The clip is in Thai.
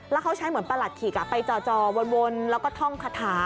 แล้วเขาใช้เหมือนประหลัดขิกไปจ่อวนแล้วก็ท่องคาถา